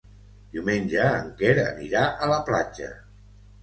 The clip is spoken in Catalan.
Diumenge en Quer anirà a la platja.